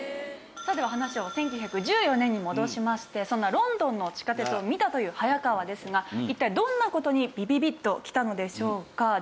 では話を１９１４年に戻しましてそんなロンドンの地下鉄を見たという早川ですが一体どんな事にビビビッときたのでしょうか？